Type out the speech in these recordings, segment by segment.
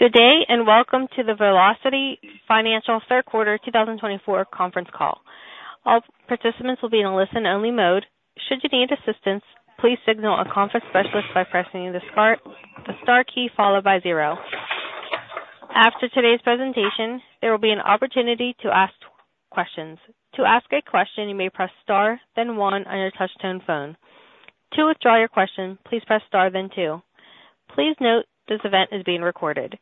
Good day and welcome to the Velocity Financial Q3 2024 conference call. All participants will be in a listen-only mode. Should you need assistance, please signal a conference specialist by pressing the star key followed by zero. After today's presentation, there will be an opportunity to ask questions. To ask a question, you may press star, then one, on your touch-tone phone. To withdraw your question, please press star, then two. Please note this event is being recorded.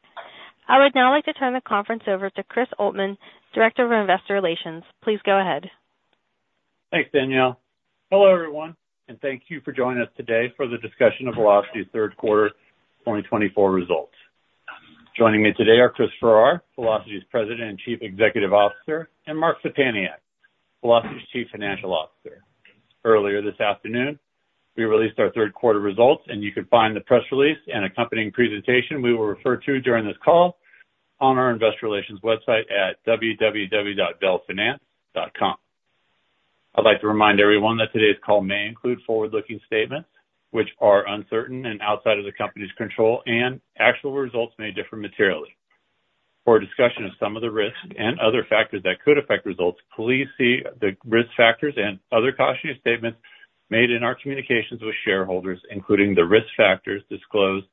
I would now like to turn the conference over to Chris Oltmann, Director of Investor Relations. Please go ahead. Thanks, Danielle. Hello everyone, and thank you for joining us today for the discussion of Velocity's Q3 2024 results. Joining me today are Chris Farrar, Velocity's President and Chief Executive Officer, and Mark Szczepaniak, Velocity's Chief Financial Officer. Earlier this afternoon, we released our Q3 results, and you can find the press release and accompanying presentation we will refer to during this call on our Investor Relations website at www.velfinance.com. I'd like to remind everyone that today's call may include forward-looking statements, which are uncertain and outside of the company's control, and actual results may differ materially. For discussion of some of the risks and other factors that could affect results, please see the risk factors and other cautionary statements made in our communications with shareholders, including the risk factors disclosed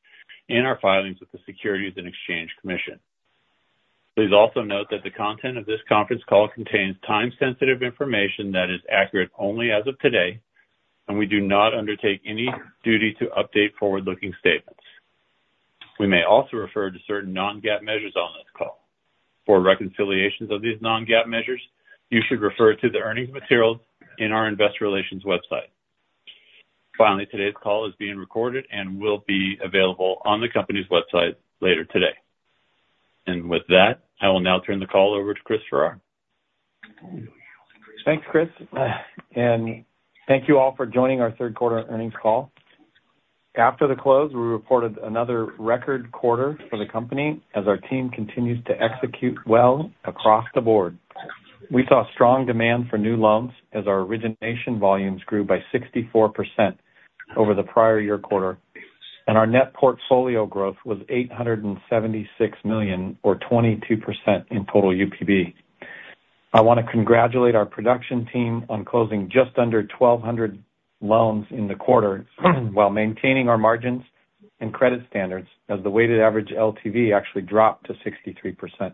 in our filings with the Securities and Exchange Commission. Please also note that the content of this conference call contains time-sensitive information that is accurate only as of today, and we do not undertake any duty to update forward-looking statements. We may also refer to certain non-GAAP measures on this call. For reconciliations of these non-GAAP measures, you should refer to the earnings materials in our Investor Relations website. Finally, today's call is being recorded and will be available on the company's website later today, and with that, I will now turn the call over to Chris Farrar. Thanks, Chris. And thank you all for joining our Q3 earnings call. After the close, we reported another record quarter for the company as our team continues to execute well across the board. We saw strong demand for new loans as our origination volumes grew by 64% over the prior year quarter, and our net portfolio growth was $876 million, or 22% in total UPB. I want to congratulate our production team on closing just under 1,200 loans in the quarter while maintaining our margins and credit standards as the weighted average LTV actually dropped to 63%.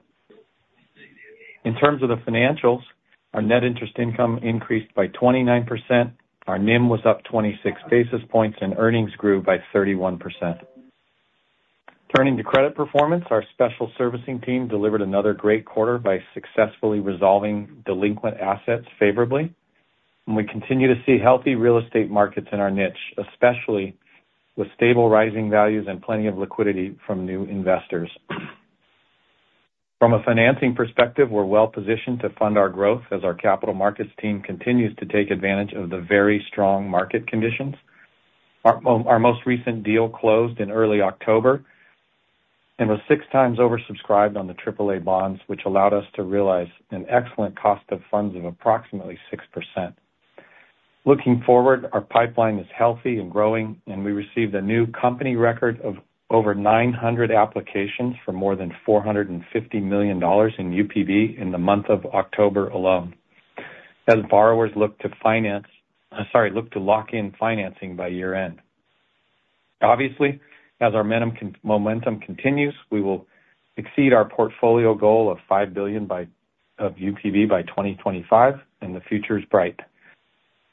In terms of the financials, our net interest income increased by 29%, our NIM was up 26 basis points, and earnings grew by 31%. Turning to credit performance, our special servicing team delivered another great quarter by successfully resolving delinquent assets favorably, and we continue to see healthy real estate markets in our niche, especially with stable rising values and plenty of liquidity from new investors. From a financing perspective, we're well positioned to fund our growth as our capital markets team continues to take advantage of the very strong market conditions. Our most recent deal closed in early October and was six times oversubscribed on the AAA bonds, which allowed us to realize an excellent cost of funds of approximately 6%. Looking forward, our pipeline is healthy and growing, and we received a new company record of over 900 applications for more than $450 million in UPB in the month of October alone, as borrowers look to lock in financing by year-end. Obviously, as our momentum continues, we will exceed our portfolio goal of $5 billion of UPB by 2025, and the future is bright.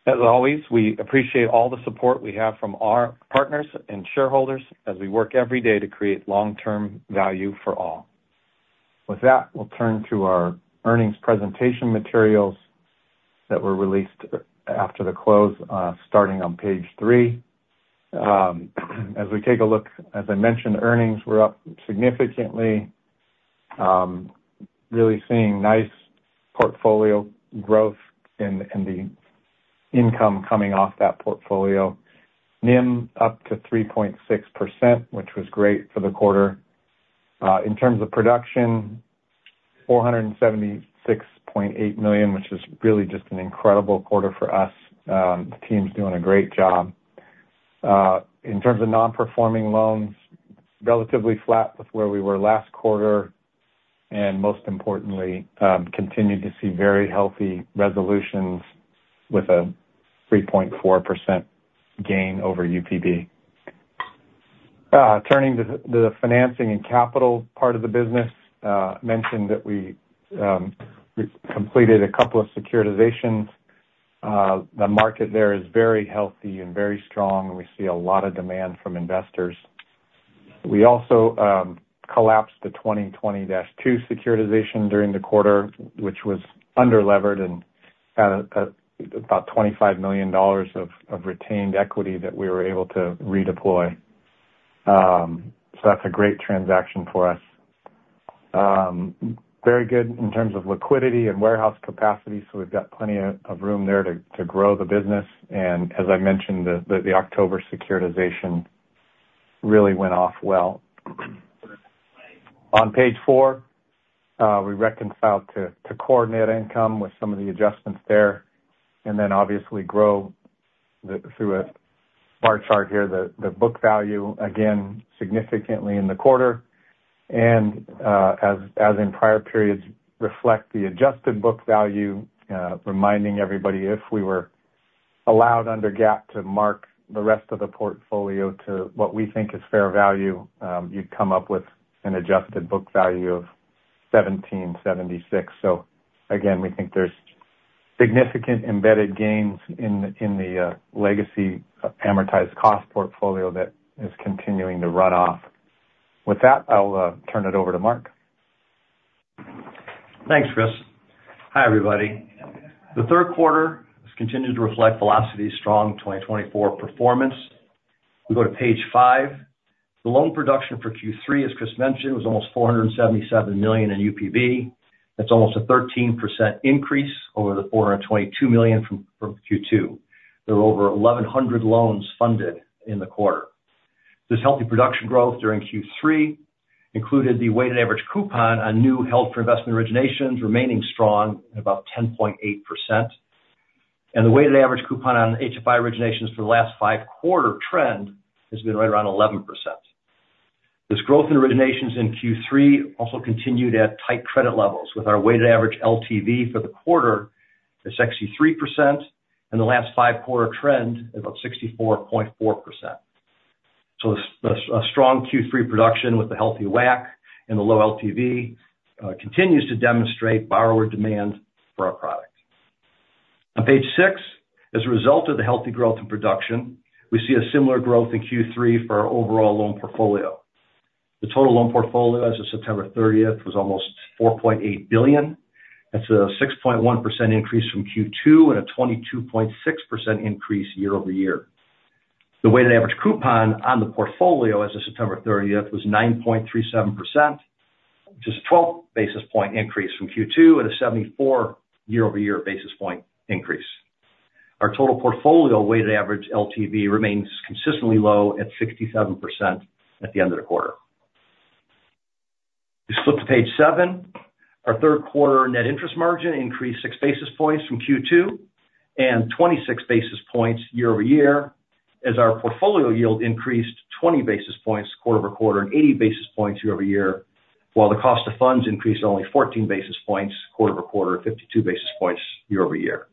As always, we appreciate all the support we have from our partners and shareholders as we work every day to create long-term value for all. With that, we'll turn to our earnings presentation materials that were released after the close, starting on page three. As we take a look, as I mentioned, earnings were up significantly, really seeing nice portfolio growth and the income coming off that portfolio. NIM up to 3.6%, which was great for the quarter. In terms of production, $476.8 million, which is really just an incredible quarter for us. The team's doing a great job. In terms of non-performing loans, relatively flat with where we were last quarter, and most importantly, continue to see very healthy resolutions with a 3.4% gain over UPB. Turning to the financing and capital part of the business, I mentioned that we completed a couple of securitizations. The market there is very healthy and very strong, and we see a lot of demand from investors. We also collapsed the 2020-2 securitization during the quarter, which was under-levered and had about $25 million of retained equity that we were able to redeploy. So that's a great transaction for us. Very good in terms of liquidity and warehouse capacity, so we've got plenty of room there to grow the business. And as I mentioned, the October securitization really went off well. On page four, we reconciled to core net income with some of the adjustments there, and then obviously go through a bar chart here, the book value, again, significantly in the quarter, and as in prior periods, reflect the adjusted book value, reminding everybody if we were allowed under GAAP to mark the rest of the portfolio to what we think is fair value, you'd come up with an adjusted book value of $17.76. So again, we think there's significant embedded gains in the legacy amortized cost portfolio that is continuing to run off. With that, I'll turn it over to Mark. Thanks, Chris. Hi, everybody. The Q3 has continued to reflect Velocity's strong 2024 performance. We go to page five. The loan production for Q3, as Chris mentioned, was almost $477 million in UPB. That's almost a 13% increase over the $422 million from Q2. There were over 1,100 loans funded in the quarter. This healthy production growth during Q3 included the weighted average coupon on new held-for-investment originations remaining strong at about 10.8%. And the weighted average coupon on HFI originations for the last five-quarter trend has been right around 11%. This growth in originations in Q3 also continued at tight credit levels, with our weighted average LTV for the quarter at 63%, and the last five-quarter trend at about 64.4%. So a strong Q3 production with a healthy WACC and a low LTV continues to demonstrate borrower demand for our product. On page six, as a result of the healthy growth in production, we see a similar growth in Q3 for our overall loan portfolio. The total loan portfolio as of September 30th was almost $4.8 billion. That's a 6.1% increase from Q2 and a 22.6% increase year-over-year. The weighted average coupon on the portfolio as of September 30th was 9.37%, which is a 12 basis point increase from Q2 and a 74 year-over-year basis point increase. Our total portfolio weighted average LTV remains consistently low at 67% at the end of the quarter. We flip to page seven. Our Q3 net interest margin increased six basis points from Q2 and 26 basis points year-over-year as our portfolio yield increased 20 basis points quarter over quarter and 80 basis points year-over-year, while the cost of funds increased only 14 basis points quarter over quarter and 52 basis points year-over-year.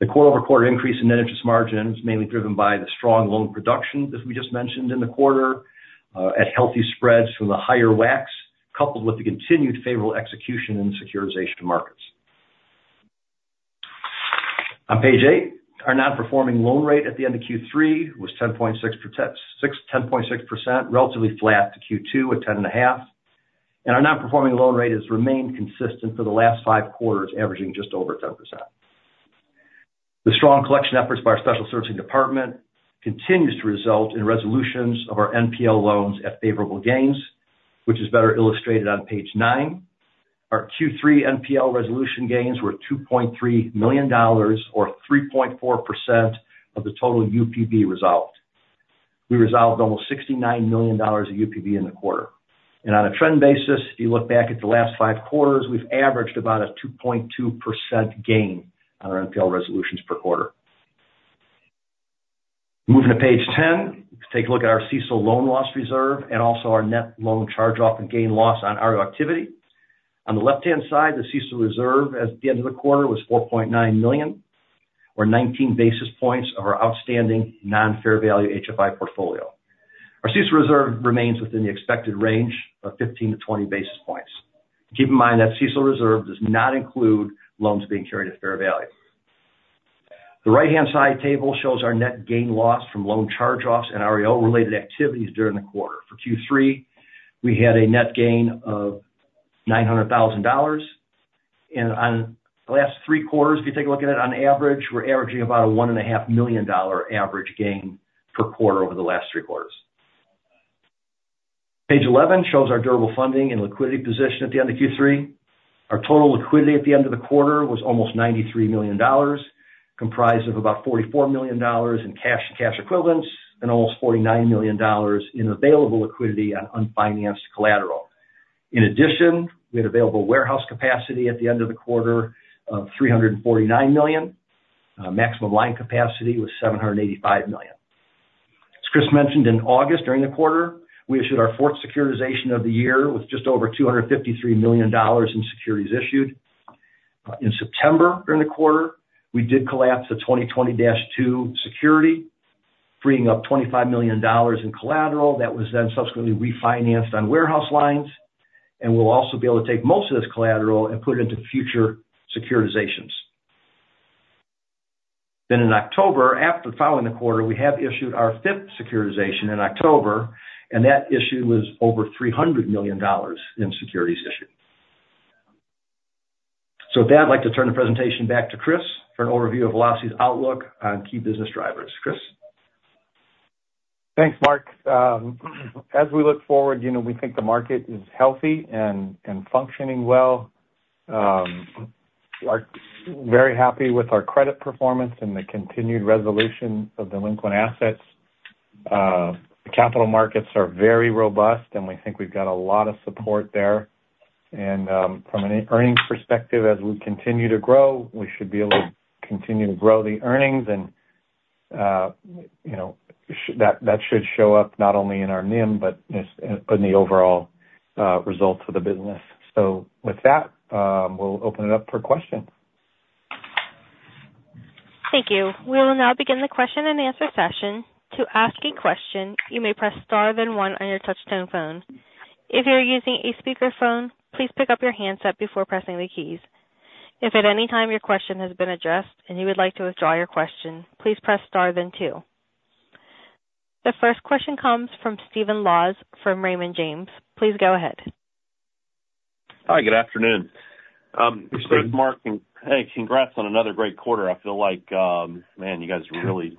The quarter over quarter increase in net interest margin is mainly driven by the strong loan production, as we just mentioned in the quarter, at healthy spreads from the higher WACCs, coupled with the continued favorable execution in securitization markets. On page eight, our non-performing loan rate at the end of Q3 was 10.6%, relatively flat to Q2 at 10.5%. Our non-performing loan rate has remained consistent for the last five quarters, averaging just over 10%. The strong collection efforts by our special servicing department continue to result in resolutions of our NPL loans at favorable gains, which is better illustrated on page 9. Our Q3 NPL resolution gains were $2.3 million, or 3.4% of the total UPB resolved. We resolved almost $69 million of UPB in the quarter. And on a trend basis, if you look back at the last five quarters, we've averaged about a 2.2% gain on our NPL resolutions per quarter. Moving to page 10, we take a look at our CECL loan loss reserve and also our net loan charge-off and gain loss on our activity. On the left-hand side, the CECL reserve at the end of the quarter was $4.9 million, or 19 basis points of our outstanding non-fair value HFI portfolio. Our CECL reserve remains within the expected range of 15-20 basis points. Keep in mind that CECL reserve does not include loans being carried at fair value. The right-hand side table shows our net gain loss from loan charge-offs and REO-related activities during the quarter. For Q3, we had a net gain of $900,000. On the last three quarters, if you take a look at it, on average, we're averaging about a $1.5 million average gain per quarter over the last three quarters. Page 11 shows our durable funding and liquidity position at the end of Q3. Our total liquidity at the end of the quarter was almost $93 million, comprised of about $44 million in cash and cash equivalents and almost $49 million in available liquidity on unfinanced collateral. In addition, we had available warehouse capacity at the end of the quarter of $349 million. Maximum line capacity was $785 million. As Chris mentioned, in August during the quarter, we issued our fourth securitization of the year with just over $253 million in securities issued. In September during the quarter, we did collapse the 2020-2 security, freeing up $25 million in collateral that was then subsequently refinanced on warehouse lines, and we'll also be able to take most of this collateral and put it into future securitizations. Then in October, after the quarter, we issued our fifth securitization in October, and that issue was over $300 million in securities issued. With that, I'd like to turn the presentation back to Chris for an overview of Velocity's outlook on key business drivers. Chris. Thanks, Mark. As we look forward, we think the market is healthy and functioning well. We're very happy with our credit performance and the continued resolution of the delinquent assets. The capital markets are very robust, and we think we've got a lot of support there. And from an earnings perspective, as we continue to grow, we should be able to continue to grow the earnings, and that should show up not only in our NIM but in the overall results of the business. So with that, we'll open it up for questions. Thank you. We will now begin the question and answer session. To ask a question, you may press star then one on your touch-tone phone. If you're using a speakerphone, please pick up your handset before pressing the keys. If at any time your question has been addressed and you would like to withdraw your question, please press star then two. The first question comes from Stephen Laws from Raymond James. Please go ahead. Hi, good afternoon. Good afternoon. Chris, Mark, and hey, congrats on another great quarter. I feel like, man, you guys are really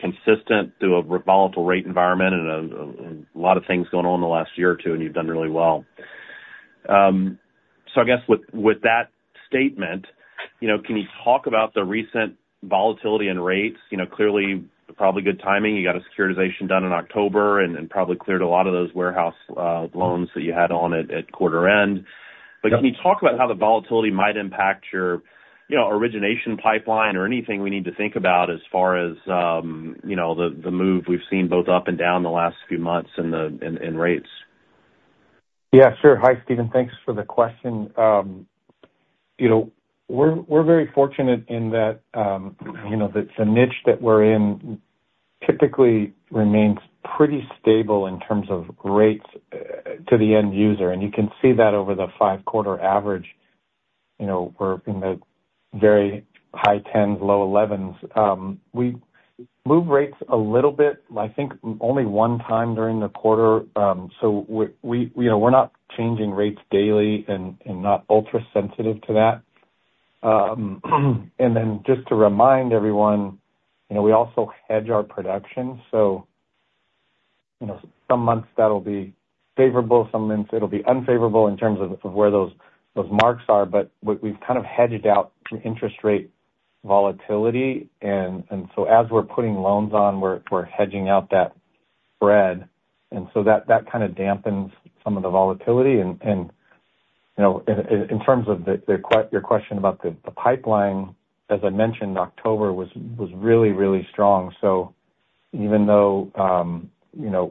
consistent through a volatile rate environment and a lot of things going on the last year or two, and you've done really well. So I guess with that statement, can you talk about the recent volatility in rates? Clearly, probably good timing. You got a securitization done in October and probably cleared a lot of those warehouse loans that you had on at quarter end. But can you talk about how the volatility might impact your origination pipeline or anything we need to think about as far as the move we've seen both up and down the last few months in rates? Yeah, sure. Hi, Stephen. Thanks for the question. We're very fortunate in that the niche that we're in typically remains pretty stable in terms of rates to the end user. And you can see that over the five-quarter average. We're in the very high 10s, low 11s. We move rates a little bit, I think, only one time during the quarter. So we're not changing rates daily and not ultra-sensitive to that. And then just to remind everyone, we also hedge our production. So some months that'll be favorable, some months it'll be unfavorable in terms of where those marks are. But we've kind of hedged out interest rate volatility. And so as we're putting loans on, we're hedging out that spread. And so that kind of dampens some of the volatility. And in terms of your question about the pipeline, as I mentioned, October was really, really strong. So even though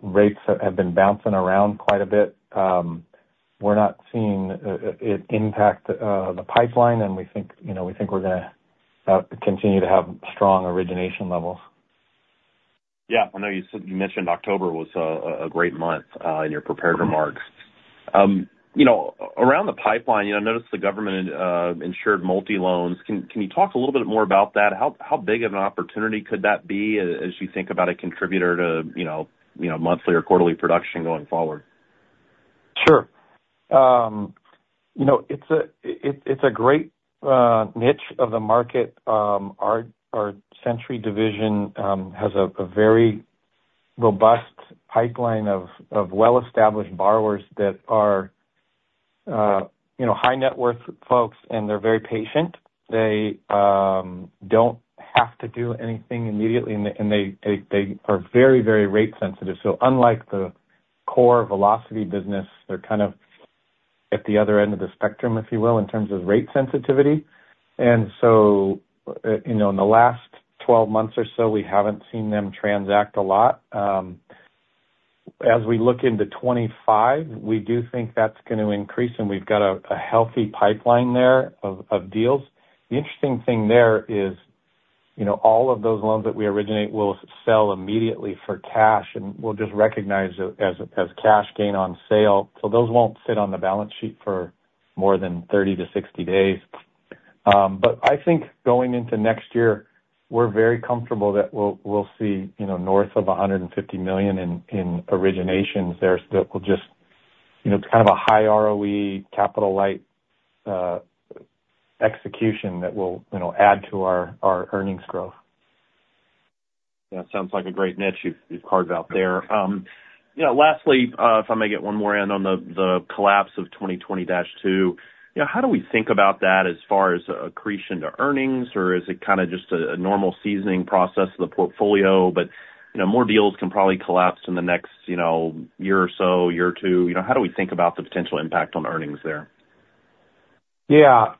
rates have been bouncing around quite a bit, we're not seeing it impact the pipeline, and we think we're going to continue to have strong origination levels. Yeah. I know you mentioned October was a great month in your prepared remarks. Around the pipeline, I noticed the government-insured multifamily loans. Can you talk a little bit more about that? How big of an opportunity could that be as you think about a contributor to monthly or quarterly production going forward? Sure. It's a great niche of the market. Our Century Division has a very robust pipeline of well-established borrowers that are high-net-worth folks, and they're very patient. They don't have to do anything immediately, and they are very, very rate sensitive. So unlike the core Velocity business, they're kind of at the other end of the spectrum, if you will, in terms of rate sensitivity. And so in the last 12 months or so, we haven't seen them transact a lot. As we look into 2025, we do think that's going to increase, and we've got a healthy pipeline there of deals. The interesting thing there is all of those loans that we originate will sell immediately for cash, and we'll just recognize it as cash gain on sale. So those won't sit on the balance sheet for more than 30-60 days. But I think going into next year, we're very comfortable that we'll see north of $150 million in originations there that will just, it's kind of a high ROE, capital-light execution that will add to our earnings growth. Yeah. Sounds like a great niche you've carved out there. Lastly, if I may get one more in on the collapse of 2020-2, how do we think about that as far as accretion to earnings, or is it kind of just a normal seasoning process of the portfolio? But more deals can probably collapse in the next year or so, year or two. How do we think about the potential impact on earnings there? Yeah.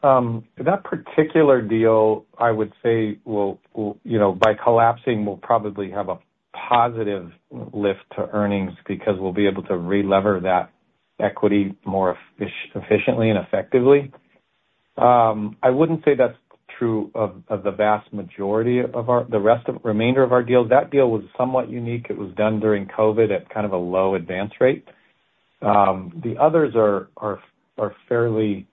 That particular deal, I would say, by collapsing, we'll probably have a positive lift to earnings because we'll be able to re-lever that equity more efficiently and effectively. I wouldn't say that's true of the vast majority of the remainder of our deals. That deal was somewhat unique. It was done during COVID at kind of a low advance rate. The others are fairly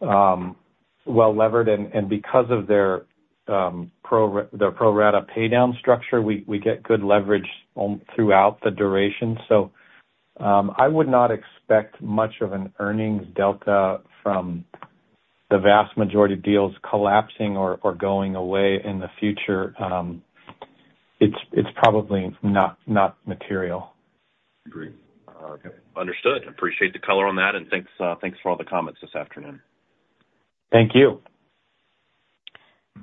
well-levered. And because of their pro-rata paydown structure, we get good leverage throughout the duration. So I would not expect much of an earnings delta from the vast majority of deals collapsing or going away in the future. It's probably not material. Agreed. Understood. Appreciate the color on that, and thanks for all the comments this afternoon. Thank you.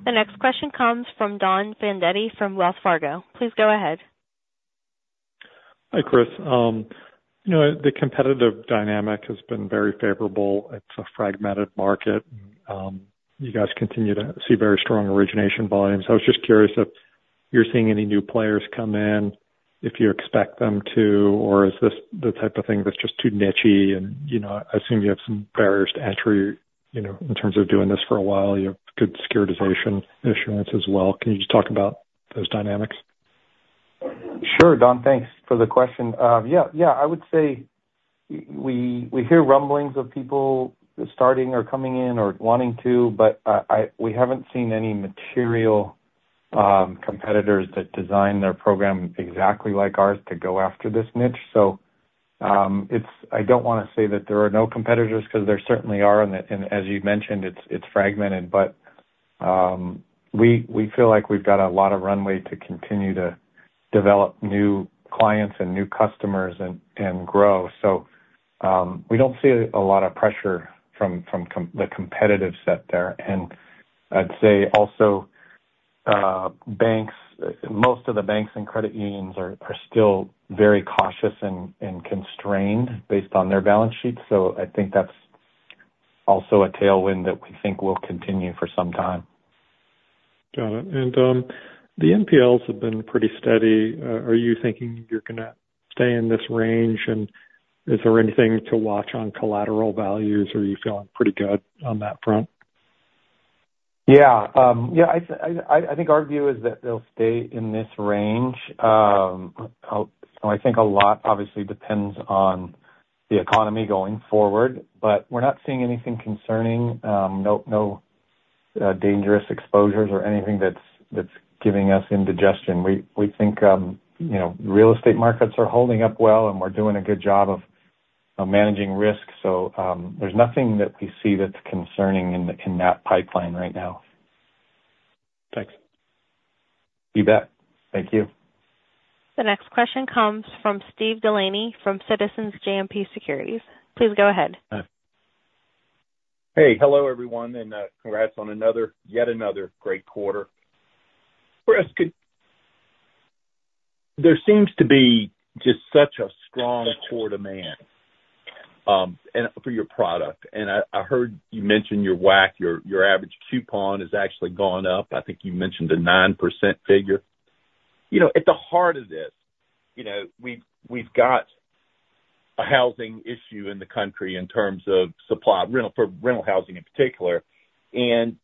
The next question comes from Don Fandetti from Wells Fargo. Please go ahead. Hi, Chris. The competitive dynamic has been very favorable. It's a fragmented market. You guys continue to see very strong origination volumes. I was just curious if you're seeing any new players come in, if you expect them to, or is this the type of thing that's just too niche? And I assume you have some barriers to entry in terms of doing this for a while. You have good securitization issuances as well. Can you just talk about those dynamics? Sure, Don. Thanks for the question. Yeah. Yeah. I would say we hear rumblings of people starting or coming in or wanting to, but we haven't seen any material competitors that designed their program exactly like ours to go after this niche. So I don't want to say that there are no competitors because there certainly are. And as you mentioned, it's fragmented. But we feel like we've got a lot of runway to continue to develop new clients and new customers and grow. So we don't see a lot of pressure from the competitive set there. And I'd say also banks, most of the banks and credit unions are still very cautious and constrained based on their balance sheets. So I think that's also a tailwind that we think will continue for some time. Got it. And the NPLs have been pretty steady. Are you thinking you're going to stay in this range? And is there anything to watch on collateral values? Are you feeling pretty good on that front? Yeah. Yeah. I think our view is that they'll stay in this range. So I think a lot obviously depends on the economy going forward. But we're not seeing anything concerning, no dangerous exposures or anything that's giving us indigestion. We think real estate markets are holding up well, and we're doing a good job of managing risk. So there's nothing that we see that's concerning in that pipeline right now. Thanks. You bet. Thank you. The next question comes from Steve Delaney from Citizens JMP Securities. Please go ahead. Hey. Hello, everyone. And congrats on yet another great quarter. Chris, there seems to be just such a strong core demand for your product. And I heard you mention your WAC, your average coupon has actually gone up. I think you mentioned a 9% figure. At the heart of this, we've got a housing issue in the country in terms of supply for rental housing in particular. And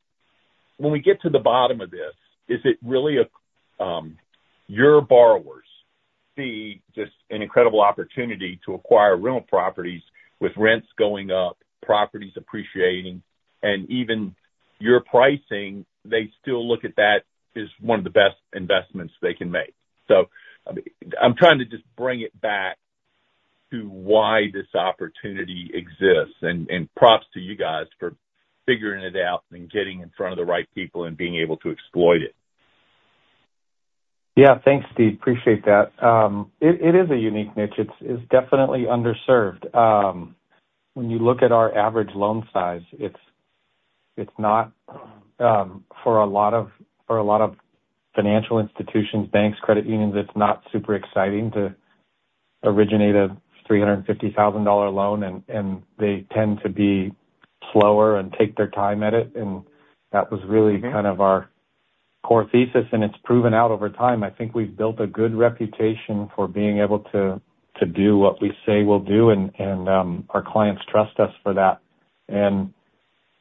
when we get to the bottom of this, is it really your borrowers see just an incredible opportunity to acquire rental properties with rents going up, properties appreciating, and even your pricing, they still look at that as one of the best investments they can make? So I'm trying to just bring it back to why this opportunity exists. And props to you guys for figuring it out and getting in front of the right people and being able to exploit it. Yeah. Thanks, Steve. Appreciate that. It is a unique niche. It's definitely underserved. When you look at our average loan size, it's not for a lot of financial institutions, banks, credit unions. It's not super exciting to originate a $350,000 loan. And they tend to be slower and take their time at it. And that was really kind of our core thesis. And it's proven out over time. I think we've built a good reputation for being able to do what we say we'll do. And our clients trust us for that. And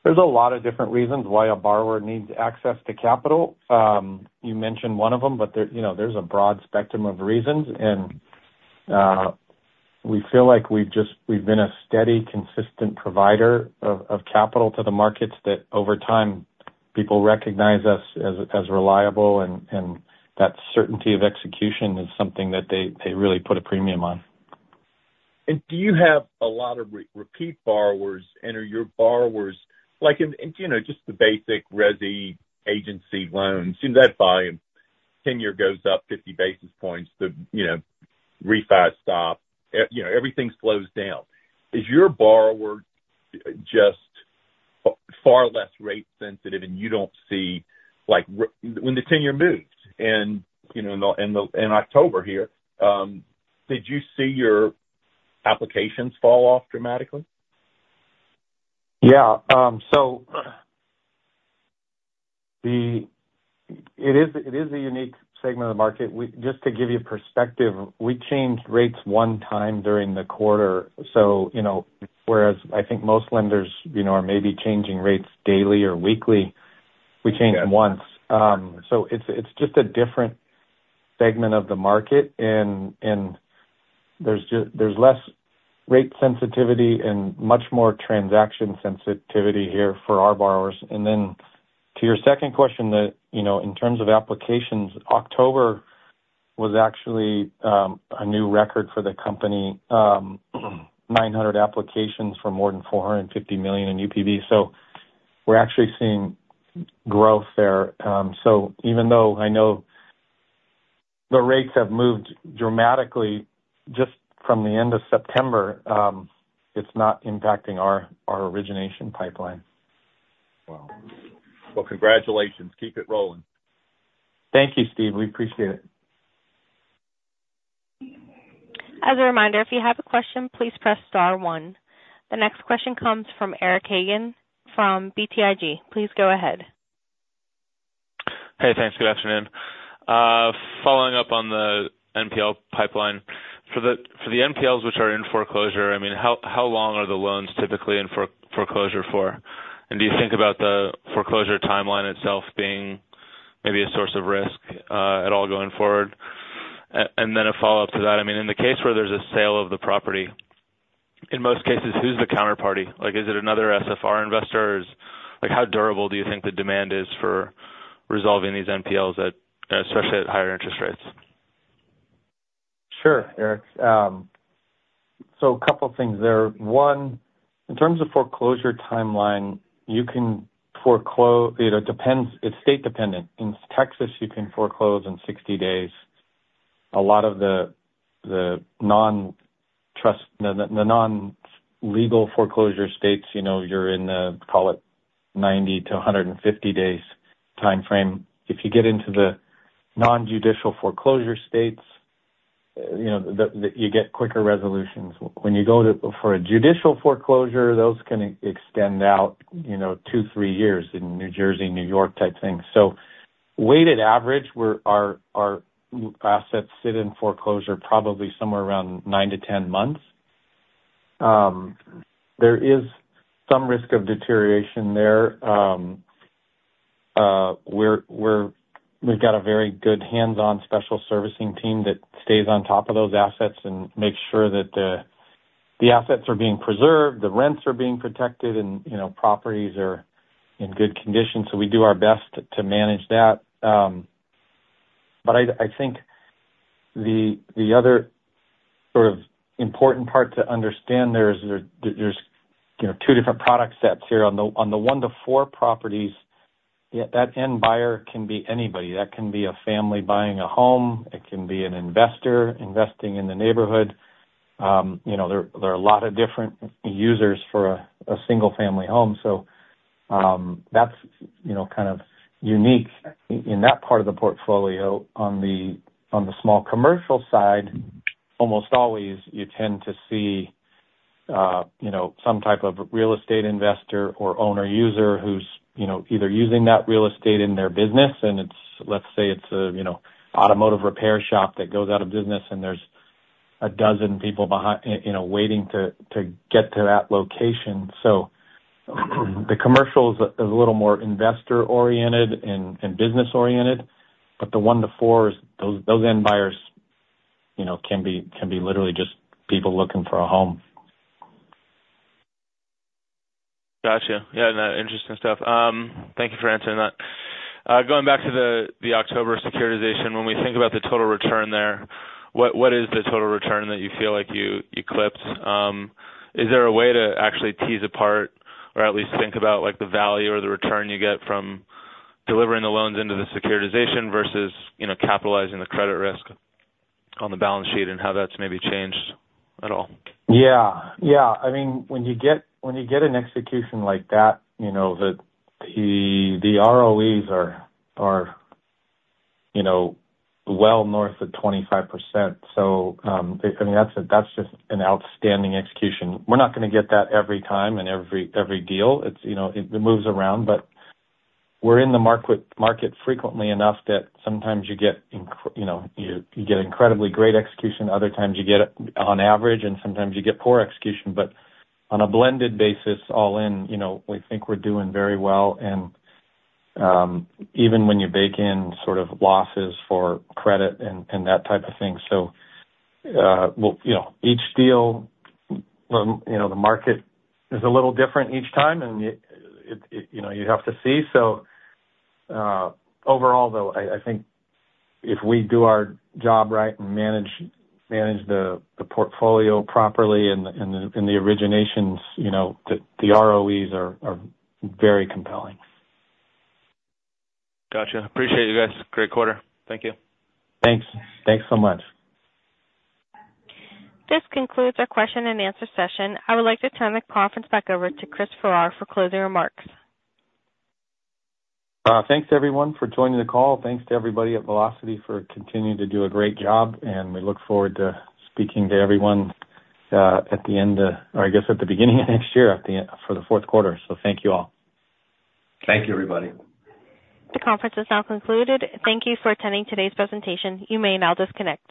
there's a lot of different reasons why a borrower needs access to capital. You mentioned one of them, but there's a broad spectrum of reasons. And we feel like we've been a steady, consistent provider of capital to the markets that over time, people recognize us as reliable. That certainty of execution is something that they really put a premium on. Do you have a lot of repeat borrowers enter your borrowers? Just the basic Resi agency loans, that volume, 10-year goes up 50 basis points, the refinance stop, everything slows down. Is your borrower just far less rate sensitive and you don't see when the 10-year moves in October here? Did you see your applications fall off dramatically? Yeah. So it is a unique segment of the market. Just to give you perspective, we changed rates one time during the quarter. So whereas I think most lenders are maybe changing rates daily or weekly, we changed once. So it's just a different segment of the market. And there's less rate sensitivity and much more transaction sensitivity here for our borrowers. And then to your second question, in terms of applications, October was actually a new record for the company, 900 applications for more than $450 million in UPB. So we're actually seeing growth there. So even though I know the rates have moved dramatically just from the end of September, it's not impacting our origination pipeline. Wow. Well, congratulations. Keep it rolling. Thank you, Steve. We appreciate it. As a reminder, if you have a question, please press star one. The next question comes from Eric Hagan from BTIG. Please go ahead. Hey, thanks. Good afternoon. Following up on the NPL pipeline. For the NPLs which are in foreclosure, I mean, how long are the loans typically in foreclosure for? And do you think about the foreclosure timeline itself being maybe a source of risk at all going forward? And then a follow-up to that, I mean, in the case where there's a sale of the property, in most cases, who's the counterparty? Is it another SFR investor? How durable do you think the demand is for resolving these NPLs, especially at higher interest rates? Sure, Eric, so a couple of things there. One, in terms of foreclosure timeline, it's state-dependent. In Texas, you can foreclose in 60 days. A lot of the non-judicial foreclosure states, you're in the, call it, 90-150 days timeframe. If you get into the non-judicial foreclosure states, you get quicker resolutions. When you go for a judicial foreclosure, those can extend out two, three years in New Jersey, New York type things. So, weighted average, our assets sit in foreclosure probably somewhere around 9-10 months. There is some risk of deterioration there. We've got a very good hands-on special servicing team that stays on top of those assets and makes sure that the assets are being preserved, the rents are being protected, and properties are in good condition, so we do our best to manage that. But I think the other sort of important part to understand there is there's two different product sets here. On the one to four properties, that end buyer can be anybody. That can be a family buying a home. It can be an investor investing in the neighborhood. There are a lot of different users for a single-family home. So that's kind of unique in that part of the portfolio. On the small commercial side, almost always you tend to see some type of real estate investor or owner-user who's either using that real estate in their business. And let's say it's an automotive repair shop that goes out of business, and there's a dozen people waiting to get to that location. So the commercial is a little more investor-oriented and business-oriented. But the one to four, those end buyers can be literally just people looking for a home. Gotcha. Yeah. Interesting stuff. Thank you for answering that. Going back to the October securitization, when we think about the total return there, what is the total return that you feel like you clipped? Is there a way to actually tease apart or at least think about the value or the return you get from delivering the loans into the securitization versus capitalizing the credit risk on the balance sheet and how that's maybe changed at all? Yeah. Yeah. I mean, when you get an execution like that, the ROEs are well north of 25%, so I mean, that's just an outstanding execution. We're not going to get that every time and every deal. It moves around, but we're in the market frequently enough that sometimes you get incredibly great execution. Other times you get it on average, and sometimes you get poor execution, but on a blended basis, all in, we think we're doing very well, and even when you bake in sort of losses for credit and that type of thing, so each deal, the market is a little different each time, and you have to see, so overall, though, I think if we do our job right and manage the portfolio properly and the originations, the ROEs are very compelling. Gotcha. Appreciate you guys. Great quarter. Thank you. Thanks. Thanks so much. This concludes our question and answer session. I would like to turn the conference back over to Chris Farrar for closing remarks. Thanks, everyone, for joining the call. Thanks to everybody at Velocity for continuing to do a great job, and we look forward to speaking to everyone at the end of, or I guess at the beginning of next year for the Q4, so thank you all. Thank you, everybody. The conference is now concluded. Thank you for attending today's presentation. You may now disconnect.